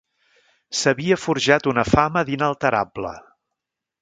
S'havia forjat una fama d'inalterable.